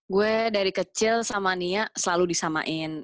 gue dari kecil sama nia selalu disamain